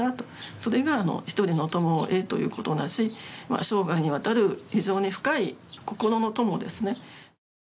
そのことが１人の友ということと生涯にわたる非常に深い心の友ですね。